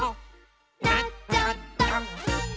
「なっちゃった！」